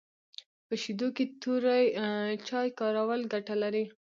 په شیدو کي توري چای کارول ګټه لري